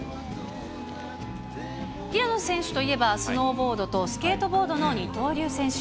平野選手といえば、スノーボードとスケートボードの二刀流選手。